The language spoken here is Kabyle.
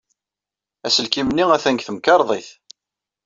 Aselkim-nni atan deg temkarḍit.